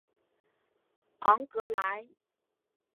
昂格莱。